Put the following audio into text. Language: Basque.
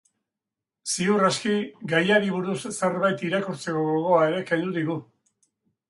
Ziur aski gaiari buruz zerbait irakurtzeko gogoa ere kendu digu.